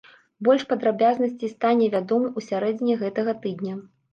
Больш падрабязнасцей стане вядома ў сярэдзіне гэтага тыдня.